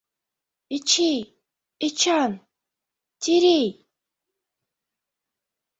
Эчей, Эчан, Терей.